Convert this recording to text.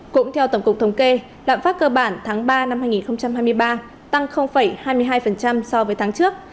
cũng theo tổng cục thống kê lạm phát cơ bản tháng ba năm hai nghìn hai mươi ba tăng hai mươi hai so với tháng trước